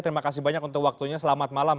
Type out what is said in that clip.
terima kasih banyak untuk waktunya selamat malam